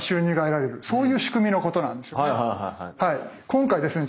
今回ですね